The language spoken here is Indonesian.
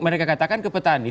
mereka katakan ke petani